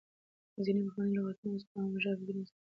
ځینې پخواني لغاتونه اوس په عامه ژبه کې نه استعمالېږي.